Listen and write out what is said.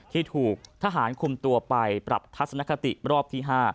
ที่ถูกทหารคุมตัวไปปรับทัศนคติรอบที่๕